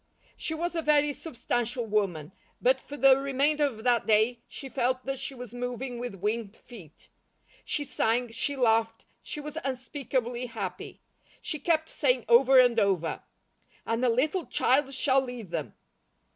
She was a very substantial woman, but for the remainder of that day she felt that she was moving with winged feet. She sang, she laughed, she was unspeakably happy. She kept saying over and over: "And a little child shall lead them."